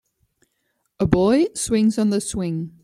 a boy swings on the swing.